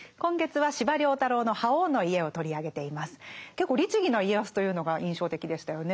結構律義な家康というのが印象的でしたよね。